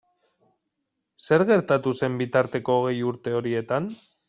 Zer gertatu zen bitarteko hogei urte horietan?